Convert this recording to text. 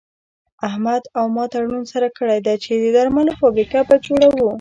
احمد او ما تړون سره کړی دی چې د درملو فابريکه به جوړوو.